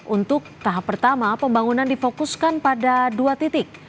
untuk tahap pertama pembangunan difokuskan pada dua titik